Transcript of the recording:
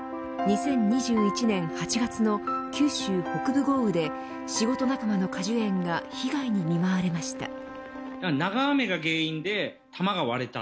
２０２１年８月の九州北部豪雨で仕事仲間の果樹園が被害に見舞われました。